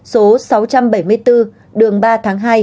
số sáu trăm bảy mươi bốn đường ba tháng hai